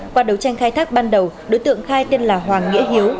qua đấu tranh khai thác ban đầu đối tượng khai tên là hoàng nghĩa hiếu